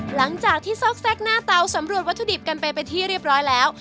หลังจากที่ซอกแก๊กหน้าเตาสำรวจวัตถุดิบกันไปเป็นที่เรียบร้อยแล้ว